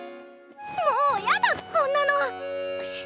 もうやだこんなの！